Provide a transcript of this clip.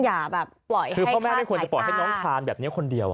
พ่อแม่ไม่ควรจะปล่อยให้น้องคารแบบนี้คนเดียว